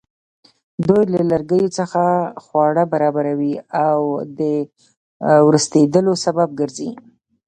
دوی له لرګیو څخه خواړه برابروي او د ورستېدلو سبب ګرځي.